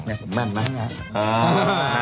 ผมมั่นมากนะฮะ